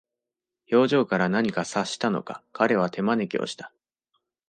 表情から何か察したのか、彼は手招きをした。